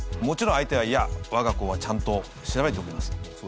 もちろん相手は「いや我が行はちゃんと調べております」と。